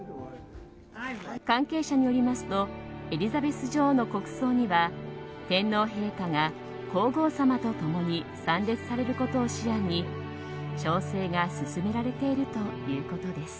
関係者によりますとエリザベス女王の国葬には天皇陛下が皇后さまと共に参列されることを視野に調整が進められているということです。